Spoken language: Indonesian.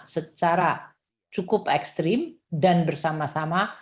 secara cukup ekstrim dan bersama sama